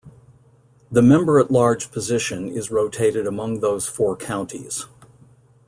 The member-at-large position is rotated among those four counties.